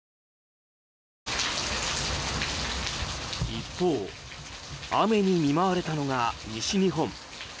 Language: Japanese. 一方、雨に見舞われたのが西日本。